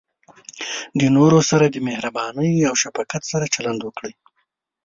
د نورو سره د مهربانۍ او شفقت سره چلند وکړئ.